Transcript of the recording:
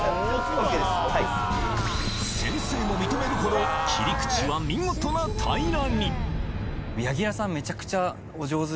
先生も認めるほど切り口は見事な平らに柳楽さん。